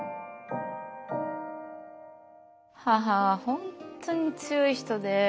母は本当に強い人で。